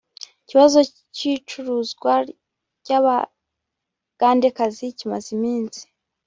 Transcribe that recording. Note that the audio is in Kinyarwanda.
ikibazo cy’icuruzwa ry’Abagandekazi kimaze iminsi